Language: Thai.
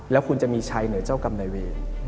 แล้วคุณจะมีชัยเหนือเจ้ากรรมนายเวร